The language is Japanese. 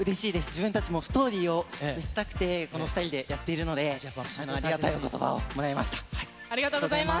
自分たちもストーリーを見せたくて、この２人でやっているので、ありがとうございます。